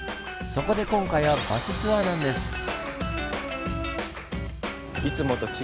そこで今回はバスツアーなんです！